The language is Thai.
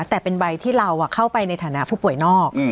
แต่เป็นใบที่เราเข้าไปในฐานะผู้ป่วยนอก